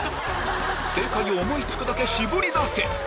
正解を思い付くだけ絞り出せ！